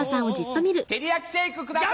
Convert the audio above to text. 照り焼きシェイクください。